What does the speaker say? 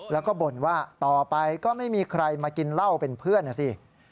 แล้วก็บ่นว่าต่อไปก็ไม่มีใครมากินเหล้าเป็นเพื่อนนะสิ